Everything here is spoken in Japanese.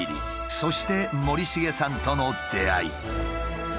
そして森繁さんとの出会い。